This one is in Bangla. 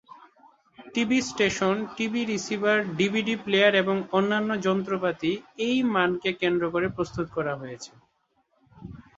TV station, TV receiver, DVD player এবং অন্যান্য যন্ত্রপাতি এই মানকে কেন্দ্র করে প্রস্তুত করা হয়েছে।